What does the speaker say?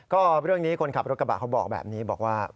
ก็เรื่องนี้คนขับรถกระบะเขาบอกแบบนี้บอกว่า